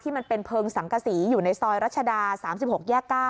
มันเป็นเพลิงสังกษีอยู่ในซอยรัชดา๓๖แยก๙